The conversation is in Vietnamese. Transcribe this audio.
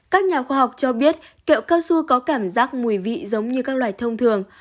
các nhà khoa học cho biết kẹo cao su có cảm giác mùi vị giống như các loài thông thường